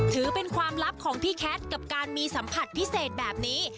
ถือเป็นความลับของพี่แคทกับการมีสัมผัสพิเศษแบบนี้